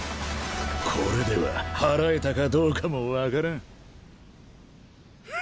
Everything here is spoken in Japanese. これでは祓えたかどうかも分からん。